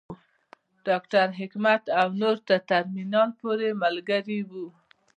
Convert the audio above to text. ډاکټر حکمت او نور تر ترمینل پورې ملګري وو.